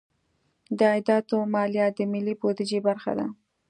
د عایداتو مالیه د ملي بودیجې برخه ده.